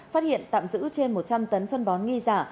phát hiện tạm giữ trên một trăm linh tấn phân bón nghi giả